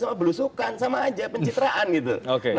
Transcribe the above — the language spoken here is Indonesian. sama belusukan sama aja pencitraan gitu